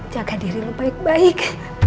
jaga diri lo baik baik